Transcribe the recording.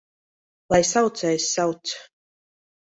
Lai saucējs sauc!